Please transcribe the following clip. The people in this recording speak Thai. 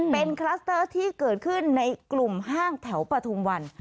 เป็นคลัสเตอร์ที่เกิดขึ้นในกลุ่มห้างแถวปฐุมวัน